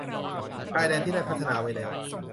ชายแดนที่ได้พัฒนาไว้แล้ว